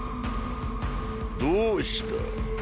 どうした。